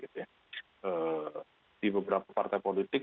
di beberapa partai politik